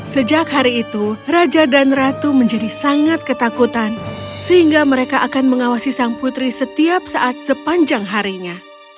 sejak hari itu raja dan ratu menjadi sangat ketakutan sehingga mereka akan mengawasi sang putri setiap saat sepanjang harinya